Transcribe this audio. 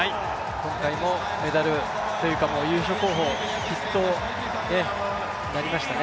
今回のメダルというか優勝候補筆頭になりましたね。